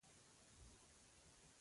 هند د ملوکو خواته ورغی.